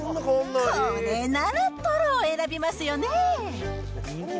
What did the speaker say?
これならトロを選びますよね。